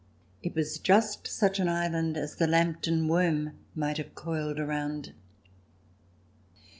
It was just such an island as the Lamb ton Worm might have coiled around.